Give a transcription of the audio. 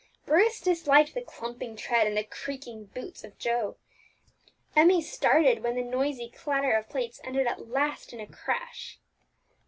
Bruce disliked the clumping tread and the creaking boots of Joe; Emmie started when the noisy clatter of plates ended at last in a crash.